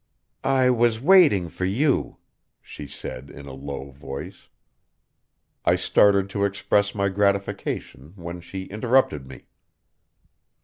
"I was waiting for you," she said in a low voice. I started to express my gratification when she interrupted me.